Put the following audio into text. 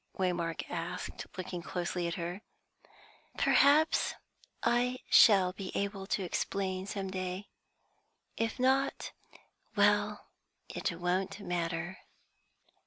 Waymark asked, looking closely at her. "Perhaps I shall be able to explain some day. If not, well, it won't matter."